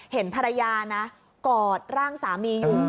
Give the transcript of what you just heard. เห็นภรรยานะกอดร่างสามีอยู่